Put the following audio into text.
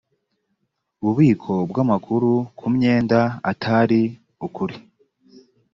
bubiko bw amakuru ku myenda atari ukuri